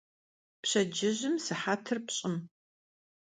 Pşedcıjım sıhetır plh'ım.